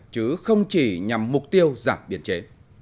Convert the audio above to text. chứ không chỉ nhằm mục tiêu giảm biên chế